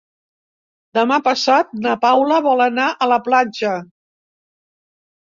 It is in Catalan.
Demà passat na Paula vol anar a la platja.